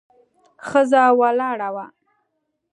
ښځه ولاړه وه.